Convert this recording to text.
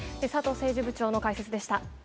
政治部長の解説でした。